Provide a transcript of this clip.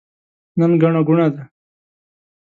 نن ګڼه ګوڼه ده.